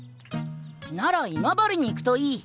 なら今治に行くといい。